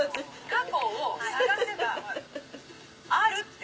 過去を探せばあるって！